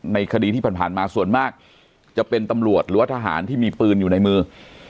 ในคดีที่ผ่านมาส่วนมากจะเป็นตำรวจหรือว่าทหารที่มีปืนอยู่ในมือ